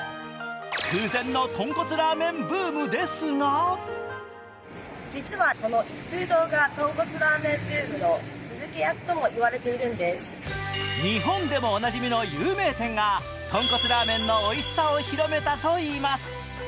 空前のとんこつラーメンブームですが日本でもおなじみの有名店がとんこつラーメンのおいしさを広めたといいます。